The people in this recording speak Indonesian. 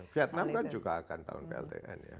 vietnam kan juga akan tahun pltn ya